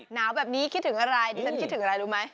หนาวแบบนี้คิดถึงอะไรดิฉันคิดถึงอะไรรู้ไหม